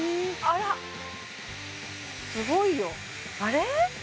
あらすごいよあれ？